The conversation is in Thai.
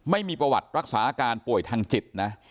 ไม่มีประวัติรักษาอาการป่วยทางจิตนะ